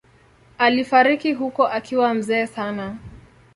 Alifariki huko akiwa mzee sana.